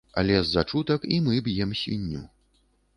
Але з-за чутак і мы б'ем свінню.